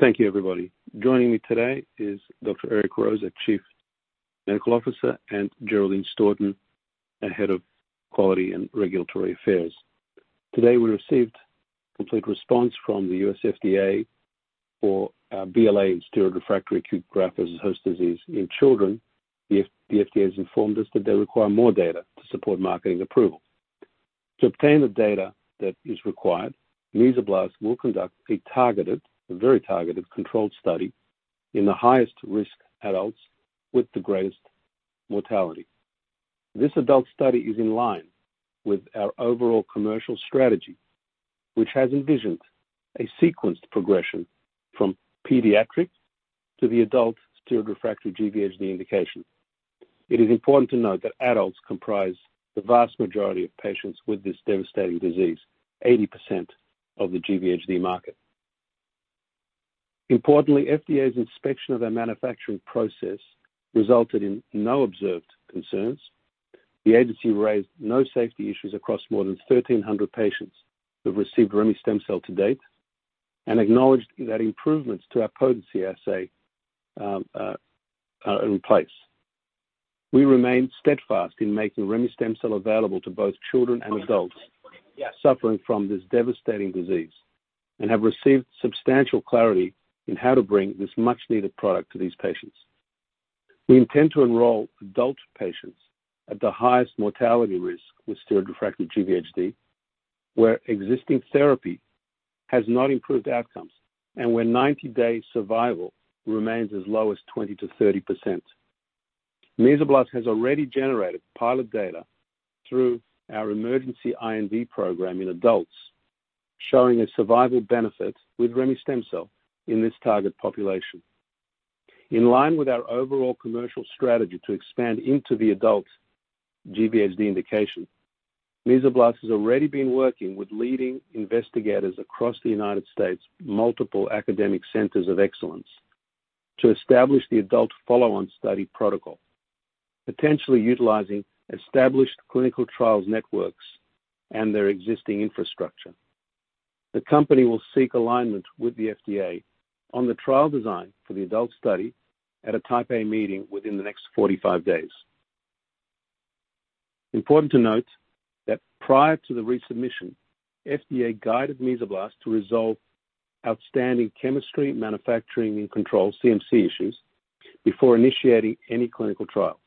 Thank you, everybody. Joining me today is Dr. Eric Rose, our Chief Medical Officer, and Geraldine Storton, our Head of Quality and Regulatory Affairs. Today, we received complete response from the U.S. FDA for our BLA in steroid-refractory acute graft-versus-host disease in children. The FDA has informed us that they require more data to support marketing approval. To obtain the data that is required, Mesoblast will conduct a targeted, a very targeted, controlled study in the highest-risk adults with the greatest mortality. This adult study is in line with our overall commercial strategy, which has envisioned a sequenced progression from pediatric to the adult steroid-refractory GVHD indication. It is important to note that adults comprise the vast majority of patients with this devastating disease, 80% of the GVHD market. Importantly, FDA's inspection of our manufacturing process resulted in no observed concerns. The agency raised no safety issues across more than 1,300 patients who have received remestemcel to date, and acknowledged that improvements to our potency assay are in place. We remain steadfast in making remestemcel available to both children and adults suffering from this devastating disease, and have received substantial clarity in how to bring this much-needed product to these patients. We intend to enroll adult patients at the highest mortality risk with steroid-refractory GVHD, where existing therapy has not improved outcomes and where 90-day survival remains as low as 20%-30%. Mesoblast has already generated pilot data through our emergency IND program in adults, showing a survival benefit with remestemcel in this target population. In line with our overall commercial strategy to expand into the adult GVHD indication, Mesoblast has already been working with leading investigators across the United States, multiple academic centers of excellence, to establish the adult follow-on study protocol, potentially utilizing established clinical trials networks and their existing infrastructure. The company will seek alignment with the FDA on the trial design for the adult study at a Type A meeting within the next 45 days. Important to note that prior to the resubmission, FDA guided Mesoblast to resolve outstanding chemistry, manufacturing, and control, CMC issues, before initiating any clinical trial.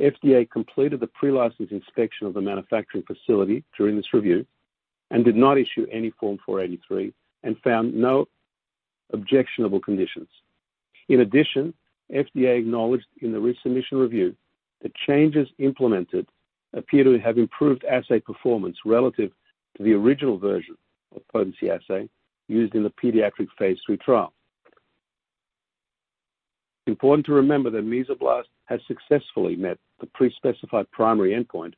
FDA completed the pre-license inspection of the manufacturing facility during this review and did not issue any Form 483 and found no objectionable conditions. In addition, FDA acknowledged in the resubmission review that changes implemented appear to have improved assay performance relative to the original version of potency assay used in the pediatric phase III trial. Important to remember that Mesoblast has successfully met the pre-specified primary endpoint,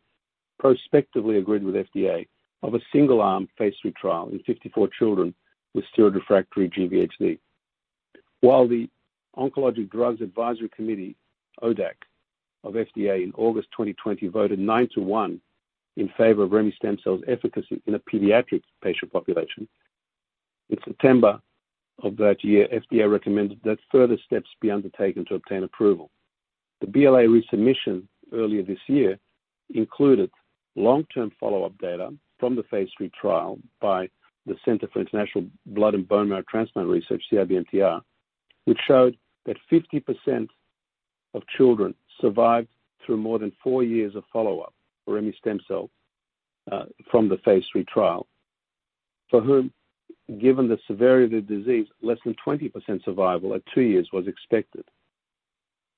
prospectively agreed with FDA of a single-arm phase III trial in 54 children with steroid-refractory GVHD. While the Oncologic Drugs Advisory Committee, ODAC, of FDA in August 2020, voted 9 to 1 in favor of remestemcel-L's efficacy in a pediatric patient population, in September of that year, FDA recommended that further steps be undertaken to obtain approval. The BLA resubmission earlier this year included long-term follow-up data from the phase III trial by the Center for International Blood and Marrow Transplant Research, CIBMTR, which showed that 50% of children survived through more than four years of follow-up, remestemcel-L from the phase III trial. For whom, given the severity of the disease, less than 20% survival at 2 years was expected.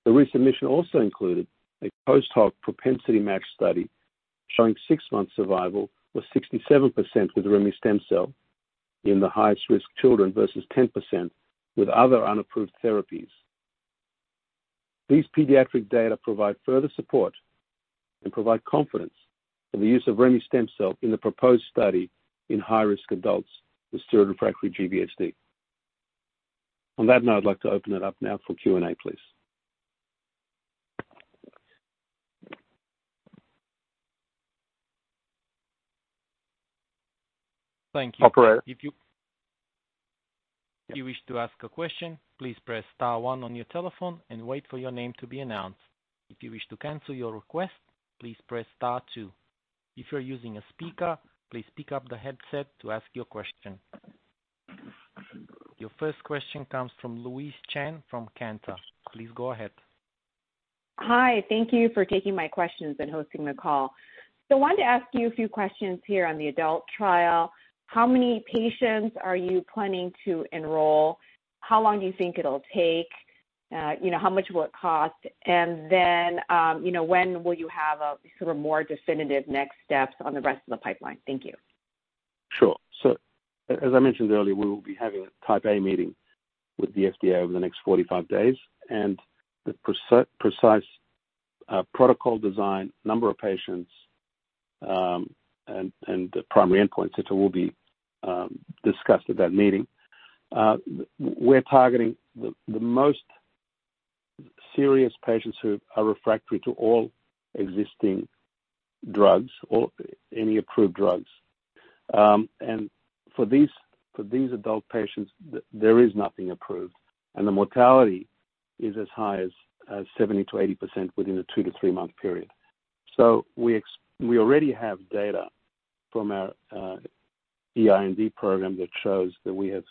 The resubmission also included a post-hoc propensity-matched study, showing six-month survival was 67% with remestemcel in the highest-risk children versus 10% with other unapproved therapies. These pediatric data provide further support and provide confidence in the use of remestemcel in the proposed study in high-risk adults with steroid-refractory GVHD. On that note, I'd like to open it up now for Q&A, please. Thank you. Operator. If you wish to ask a question, please press star one on your telephone and wait for your name to be announced. If you wish to cancel your request, please press star two. If you're using a speaker, please pick up the headset to ask your question. Your first question comes from Louise Chen from Cantor. Please go ahead. Hi. Thank you for taking my questions and hosting the call. I wanted to ask you a few questions here on the adult trial. How many patients are you planning to enroll? How long do you think it'll take? You know, how much will it cost? You know, when will you have a sort of more definitive next steps on the rest of the pipeline? Thank you. Sure. As I mentioned earlier, we will be having a Type A meeting with the FDA over the next 45 days. The precise protocol design, number of patients, and the primary endpoint, et cetera, will be discussed at that meeting. We're targeting serious patients who are refractory to all existing drugs or any approved drugs. For these adult patients, there is nothing approved, and the mortality is as high as 70%-80% within a 2- to 3-month period. We already have data from our EIND program that shows that we have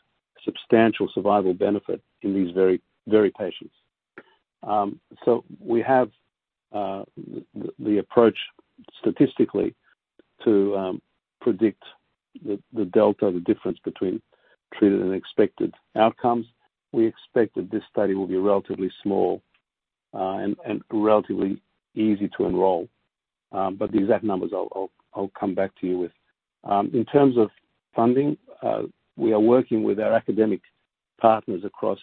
substantial survival benefit in these very, very patients. We have the approach statistically to predict the delta, the difference between treated and expected outcomes. We expect that this study will be relatively small, and, and relatively easy to enroll. The exact numbers I'll, I'll, I'll come back to you with. In terms of funding, we are working with our academic partners across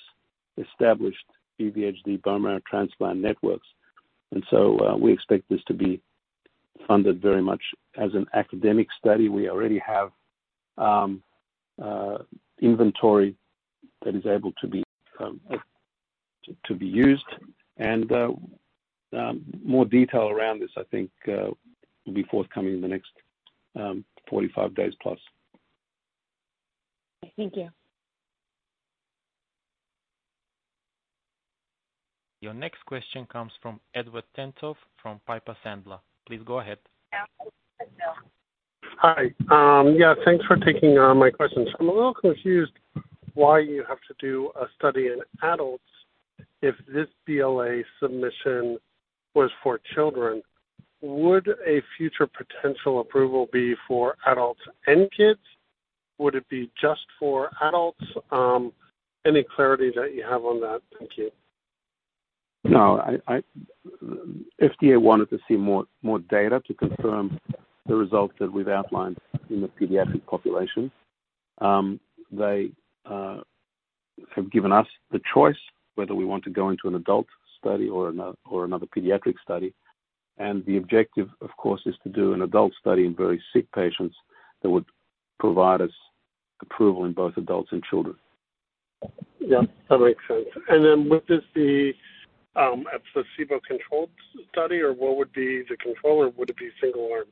established GVHD bone marrow transplant networks, we expect this to be funded very much as an academic study. We already have inventory that is able to be, to, to be used. More detail around this, I think, will be forthcoming in the next 45 days plus. Thank you. Your next question comes from Edward Tenthoff from Piper Sandler. Please go ahead. Hi. Yeah, thanks for taking my questions. I'm a little confused why you have to do a study in adults if this BLA submission was for children. Would a future potential approval be for adults and kids? Would it be just for adults? Any clarity that you have on that? Thank you. No, FDA wanted to see more more data to confirm the results that we've outlined in the pediatric population. They have given us the choice whether we want to go into an adult study or another pediatric study. The objective, of course, is to do an adult study in very sick patients that would provide us approval in both adults and children. Yeah, that makes sense. Would this be a placebo-controlled study, or what would be the control, or would it be single arm?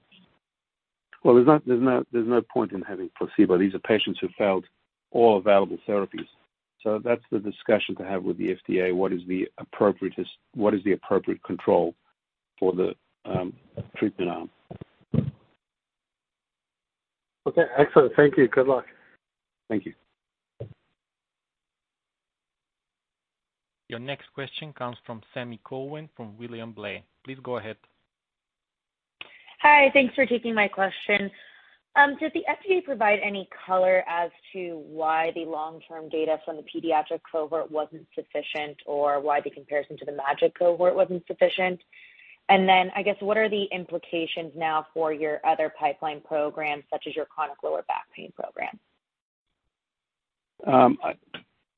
Well, there's not, there's not, there's no point in having placebo. These are patients who failed all available therapies. That's the discussion to have with the FDA. What is the appropriate what is the appropriate control for the treatment arm? Okay, excellent. Thank you. Good luck. Thank you. Your next question comes from Sami Corwin, from William Blair. Please go ahead. Hi. Thanks for taking my question. Did the FDA provide any color as to why the long-term data from the pediatric cohort wasn't sufficient, or why the comparison to the MAGIC cohort wasn't sufficient? I guess, what are the implications now for your other pipeline programs, such as your chronic low back pain program?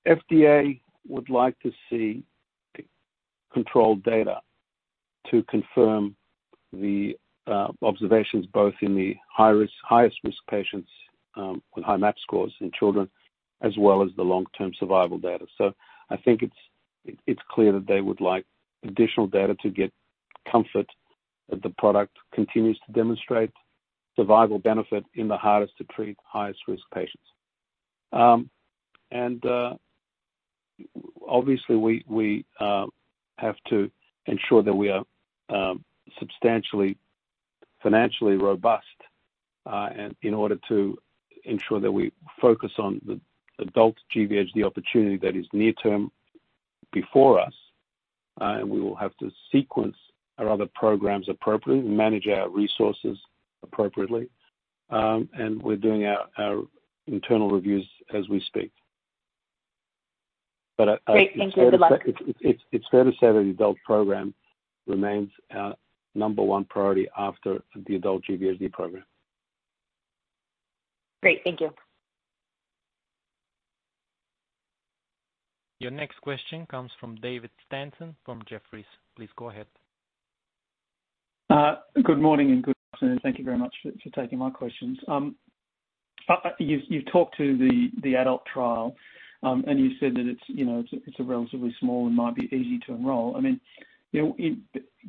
FDA would like to see controlled data to confirm the observations, both in the high-risk, highest-risk patients, with high MAP scores in children, as well as the long-term survival data. I think it's, it's clear that they would like additional data to get comfort that the product continues to demonstrate survival benefit in the hardest to treat, highest-risk patients. And, obviously, we, we have to ensure that we are substantially financially robust in order to ensure that we focus on the adult GVHD, the opportunity that is near term before us, and we will have to sequence our other programs appropriately and manage our resources appropriately. And we're doing our, our internal reviews as we speak. Great. Thank you. Good luck. It's, it's fair to say that the adult program remains our number 1 priority after the adult GVHD program. Great. Thank you. Your next question comes from David Stanton, from Jefferies. Please go ahead. Good morning and good afternoon. Thank you very much for, for taking my questions. You've, you've talked to the, the adult trial, and you said that it's, you know, it's, it's a relatively small and might be easy to enroll. I mean, you know, it,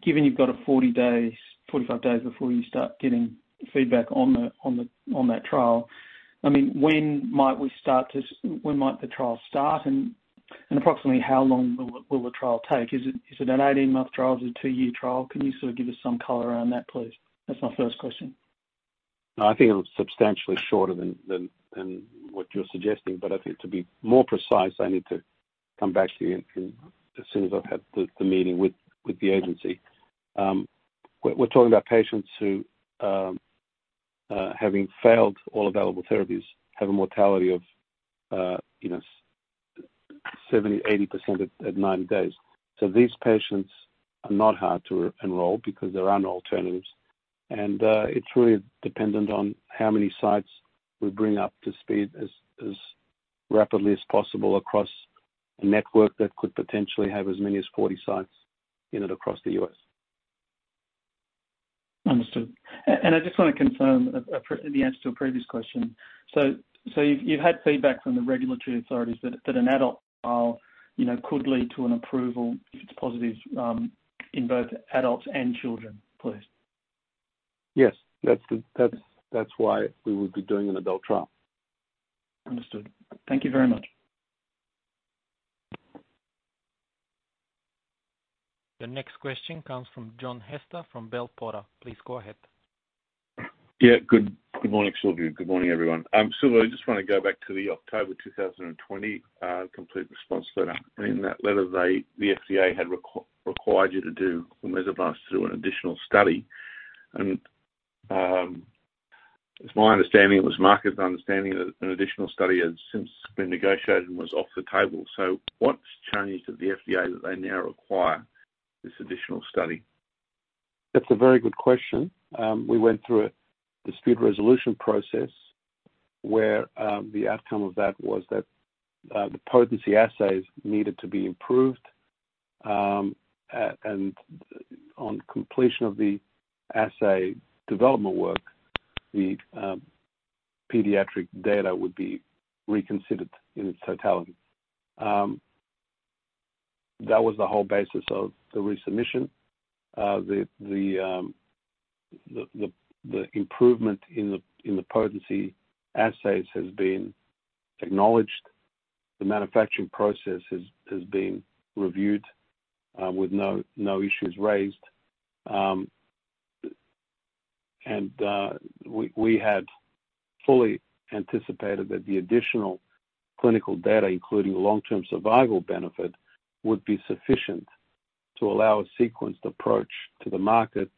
given you've got a 40 days, 45 days before you start getting feedback on the, on the, on that trial, I mean, when might we start to... When might the trial start? Approximately how long will, will the trial take? Is it, is it an 18-month trial? Is it a 2-year trial? Can you sort of give us some color around that, please? That's my first question. No, I think it was substantially shorter than, than, than what you're suggesting, but I think to be more precise, I need to come back to you as soon as I've had the, the meeting with, with the agency. We're, we're talking about patients who, having failed all available therapies, have a mortality of, you know, 70%, 80% at 90 days. These patients are not hard to enroll because there are no alternatives, it's really dependent on how many sites we bring up to speed as rapidly as possible across a network that could potentially have as many as 40 sites in it across the U.S. Understood. I just want to confirm the answer to a previous question. You've, you've had feedback from the regulatory authorities that an adult trial, you know, could lead to an approval if it's positive, in both adults and children, please? Yes. That's the, that's, that's why we would be doing an adult trial. Understood. Thank you very much. The next question comes from John Hester from Bell Potter. Please go ahead. Yeah. Good, good morning, Silvio. Good morning, everyone. Silvio, I just want to go back to the October 2020 Complete Response Letter. In that letter, they, the FDA had required you to do remestemcel-L through an additional study. It's my understanding, it was market's understanding that an additional study has since been negotiated and was off the table. What's changed at the FDA that they now require this additional study? That's a very good question. We went through a dispute resolution process where the outcome of that was that the potency assays needed to be improved. On completion of the assay development work, the pediatric data would be reconsidered in its totality. That was the whole basis of the resubmission. The, the, the, the, the improvement in the, in the potency assays has been acknowledged. The manufacturing process has, has been reviewed with no, no issues raised. We, we had fully anticipated that the additional clinical data, including long-term survival benefit, would be sufficient to allow a sequenced approach to the market,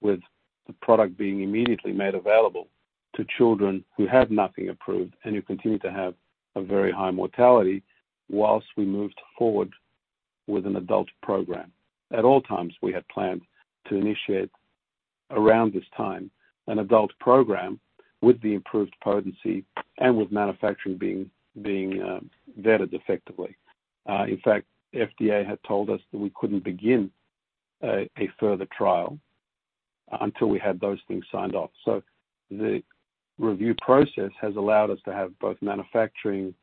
with the product being immediately made available to children who have nothing approved and who continue to have a very high mortality, whilst we moved forward with an adult program. At all times, we had planned to initiate around this time an adult program with the improved potency and with manufacturing being, being, vetted effectively. In fact, FDA had told us that we couldn't begin a, a further trial until we had those things signed off. The review process has allowed us to have both manufacturing,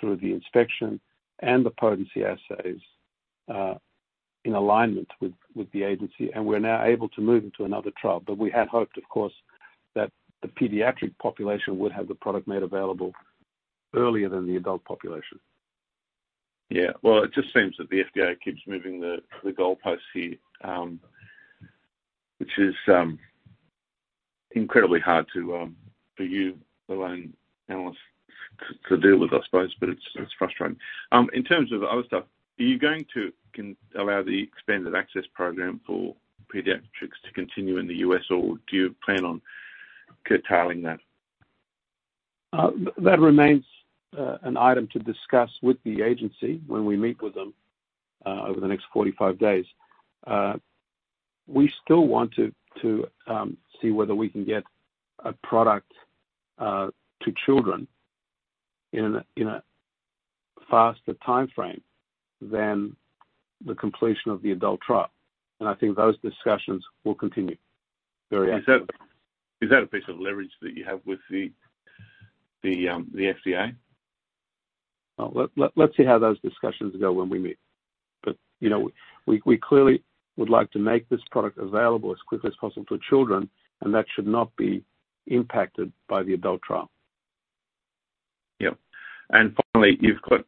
through the inspection and the potency assays, in alignment with, with the agency, and we're now able to move into another trial. We had hoped, of course, that the pediatric population would have the product made available earlier than the adult population. Yeah. Well, it just seems that the FDA keeps moving the, the goalpost here, which is incredibly hard to for you, let alone analysts, to deal with, I suppose, but it's, it's frustrating. In terms of other stuff, are you going to allow the expanded access program for pediatrics to continue in the U.S., or do you plan on curtailing that? That remains an item to discuss with the agency when we meet with them over the next 45 days. We still want to see whether we can get a product to children in a faster timeframe than the completion of the adult trial. I think those discussions will continue very actively. Is that, is that a piece of leverage that you have with the, the, the FDA? Let's see how those discussions go when we meet. You know, we, we clearly would like to make this product available as quickly as possible to children, and that should not be impacted by the adult trial. Yep. Finally, you've got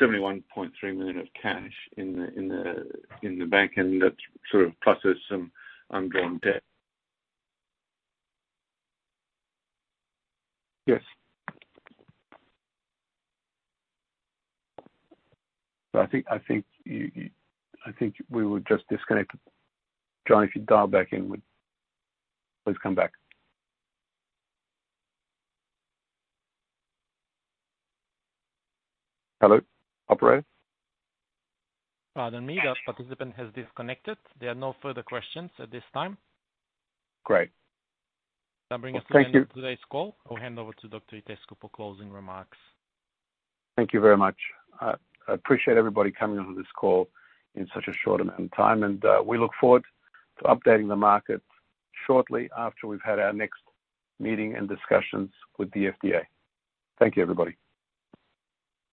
$71.3 million of cash in the bank, and that sort of pluses some undrawn debt. Yes. I think, I think I think we were just disconnected. John, if you dial back in. Please come back. Hello, operator? Pardon me. The participant has disconnected. There are no further questions at this time. Great. That brings us to the end of today's call. I'll hand over to Dr. Itescu for closing remarks. Thank you very much. I, I appreciate everybody coming on to this call in such a short amount of time, and we look forward to updating the market shortly after we've had our next meeting and discussions with the FDA. Thank you, everybody.